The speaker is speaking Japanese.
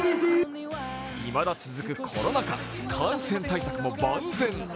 いまだ続くコロナ禍、感染対策も万全。